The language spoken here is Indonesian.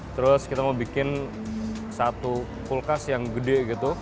terus kita mau bikin satu kulkas yang gede gitu